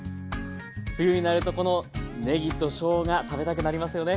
冬になるとこのねぎとしょうが食べたくなりますよね。